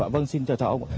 vâng xin chào chào ông